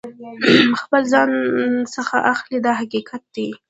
د خپل ځان څخه اخلي دا حقیقت دی.